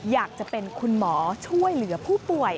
อยากจะเป็นคุณหมอช่วยเหลือผู้ป่วย